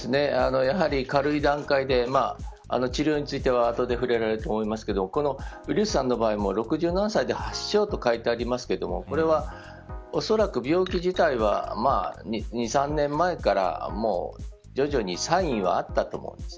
やはり軽い段階で治療については後で触れられると思いますがブルースさんの場合も、６７歳で発症と書いてありますがこれは、おそらく病気自体は２、３年前から徐々にサインはあったと思うんです。